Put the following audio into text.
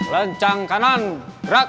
lencang kanan gerak